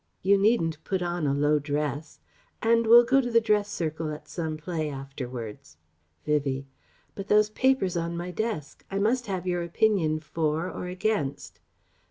You needn't put on a low dress ... and we'll go to the dress circle at some play afterwards." Vivie: "But those papers on my desk? I must have your opinion for or against..."